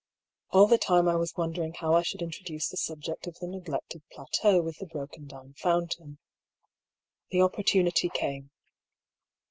All the time I was wondering how I should introduce the subject of the neglected plateau with the broken down fountain. The opportunity came.